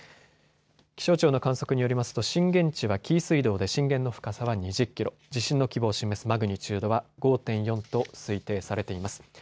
気象庁の観測によりますと震源地は紀伊水道で震源の深さは２０キロ、地震の規模を示すマグニチュードは５．４と推定されています。